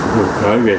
được đổi về đó